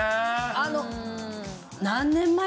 あの。